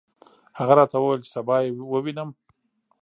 هغه راته وویل چې سبا یې ووینم.